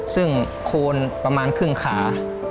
ซึ่งโคนประมาณครึ่งขา